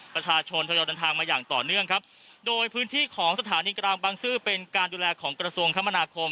ประชาชนทยอยเดินทางมาอย่างต่อเนื่องครับโดยพื้นที่ของสถานีกลางบางซื่อเป็นการดูแลของกระทรวงคมนาคม